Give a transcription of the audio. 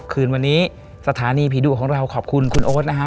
คืนวันนี้สถานีผีดุของเราขอบคุณคุณโอ๊ตนะฮะ